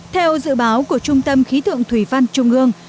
theo dự báo của trung tâm khí tượng thủy văn trung ương